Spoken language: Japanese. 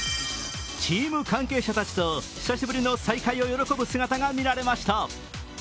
チーム関係者たちと久しぶりの再会を喜ぶ姿が見られました。